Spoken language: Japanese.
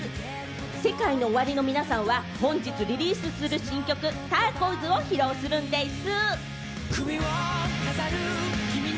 ＳＥＫＡＩＮＯＯＷＡＲＩの皆さんは本日リリースする新曲『ターコイズ』を披露するんでぃす！